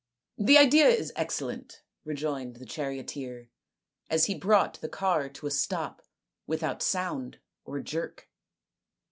" The idea is excellent," rejoined the charioteer, as he brought the car to a stop without sound or jerk.